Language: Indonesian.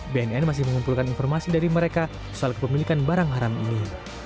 bnn masih mengumpulkan informasi dari mereka soal kepemilikan barang haram ini